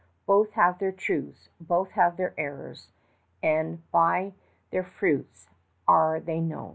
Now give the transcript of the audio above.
Both have their truths, both have their errors; and by their fruits are they known.